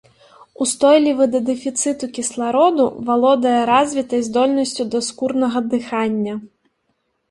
Устойлівы да дэфіцыту кіслароду, валодае развітай здольнасцю да скурнага дыхання.